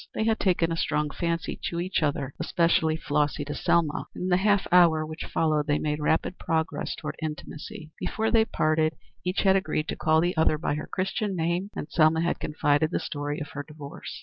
They had taken a strong fancy to each other, especially Flossy to Selma, and in the half hour which followed they made rapid progress toward intimacy. Before they parted each had agreed to call the other by her Christian name, and Selma had confided the story of her divorce.